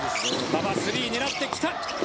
馬場スリーを狙ってきた。